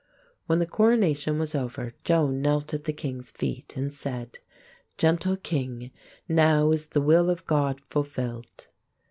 When the coronation was over, Joan knelt at the king's feet and said, "Gentle King, now is the will of God fulfilled."